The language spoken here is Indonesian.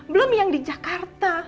belum yang di jakarta